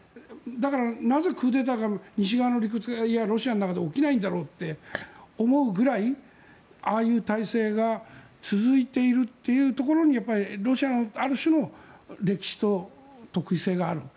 だからなぜクーデターが西側の理屈がロシアで起きないんだろうと思うくらい、ああいう体制が続いているというところにロシアは、ある種の歴史と特異性がある。